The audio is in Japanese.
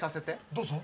どうぞ。